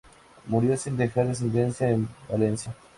Murió, sin dejar descendencia, en Valencia.